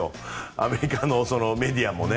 アメリカのメディアもね。